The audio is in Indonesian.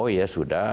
oh ya sudah